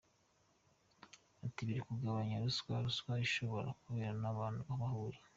Ati “Biri kugabanya ruswa, ruswa ishoboka kubera ko abantu bahuye.